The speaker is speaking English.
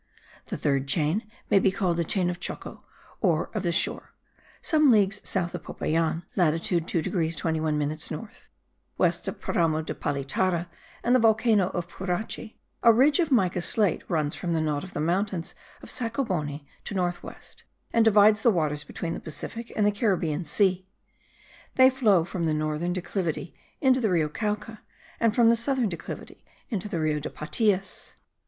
The third chain may be called the chain of Choco, or of the shore. Some leagues south of Popayan (latitude 2 degrees 21 minutes north), west of Paramo de Palitara and the volcano of Purace, a ridge of mica slate runs from the knot of the mountains of Sacoboni to north west, and divides the waters between the Pacific and the Caribbean Sea; they flow from the northern declivity into the Rio Cauca, and from the southern declivity, into the Rio de Patias.